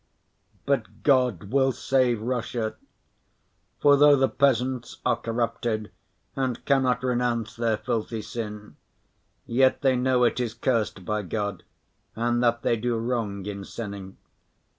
But God will save Russia, for though the peasants are corrupted and cannot renounce their filthy sin, yet they know it is cursed by God and that they do wrong in sinning.